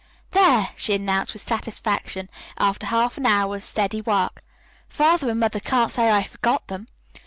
"There," she announced with satisfaction, after half an hour's steady work, "Father and Mother can't say I forgot them.